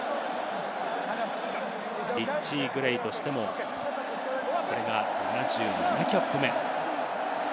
リッチー・グレイとしてもこれが７７キャップ目。